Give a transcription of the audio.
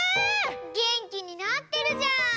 げんきになってるじゃん！